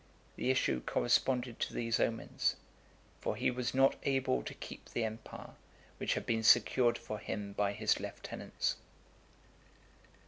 The issue corresponded to these omens; for he was not able to keep the empire which had been secured for him by his lieutenants.